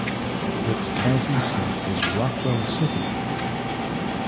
Its county seat is Rockwell City.